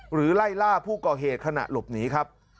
ไล่ล่าผู้ก่อเหตุขณะหลบหนีครับ